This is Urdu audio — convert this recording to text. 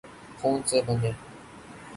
خون سے بننے